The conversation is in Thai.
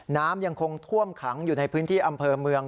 น้ำยังคงท่วมขังอยู่ในพื้นที่อำเภอเมือง